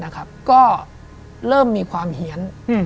ก็เริ่มมีความเหี้ยน